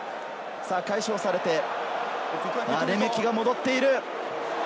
解消されてレメキが戻っている。